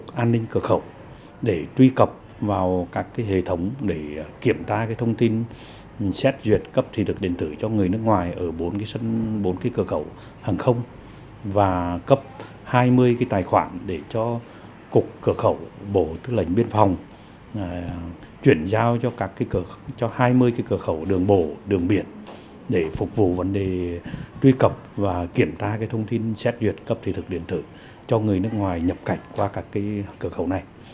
chúng tôi đã cấp các tài khoản cho cục an để truy cập vào các hệ thống để kiểm tra thông tin xét duyệt cấp thị thực điện tử cho người nước ngoài ở bốn cơ khẩu hàng không và cấp hai mươi tài khoản để cho cục cơ khẩu bộ tư lệnh biên phòng chuyển giao cho hai mươi cơ khẩu đường bộ đường biển để phục vụ vấn đề truy cập và kiểm tra thông tin xét duyệt cấp thị thực điện tử cho người nước ngoài nhập cảnh qua các cơ khẩu